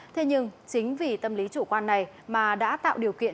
thế nhưng chính vì tâm lý chủ quan này mà đã tạo điều kiện